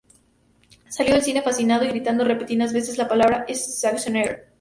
Salió del cine fascinado y gritando repetidas veces la palabra "Schwarzenegger".